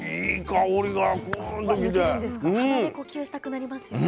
鼻で呼吸したくなりますよね。